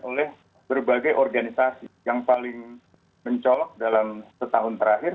oleh berbagai organisasi yang paling mencolok dalam setahun terakhir